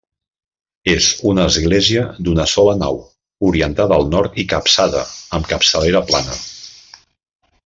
És una església d'una sola nau, orientada al nord i capçada amb capçalera plana.